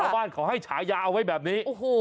บ้านเขาให้ฉายาเอาไว้แบบนี้